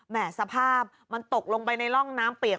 สภาพมันตกลงไปในร่องน้ำเปียก